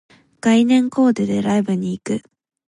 概念コーデでライブに行く